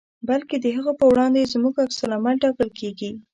بلکې د هغو په وړاندې زموږ په عکس العمل ټاکل کېږي.